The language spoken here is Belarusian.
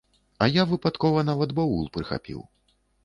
А я выпадкова нават баул прыхапіў.